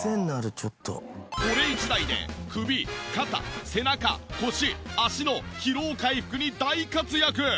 これ一台で首・肩背中腰脚の疲労回復に大活躍。